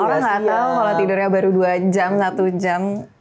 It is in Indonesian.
orang nggak tahu kalau tidurnya baru dua jam satu jam